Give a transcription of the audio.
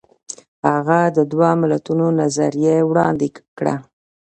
هغه د دوه ملتونو نظریه وړاندې کړه.